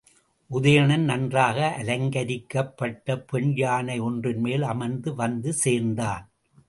உதயணன் நன்றாக அலங்கரிக்கப்பட்ட பெண் யானை ஒன்றின்மேல் அமர்ந்து வந்து சேர்ந்தான்.